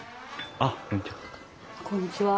あっこんにちは。